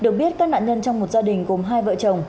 được biết các nạn nhân trong một gia đình gồm hai vợ chồng